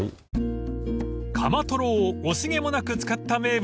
［カマトロを惜しげもなく使った名物